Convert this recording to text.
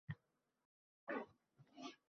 Rustam o`zini qo`lga olish uchun tashqariga otildi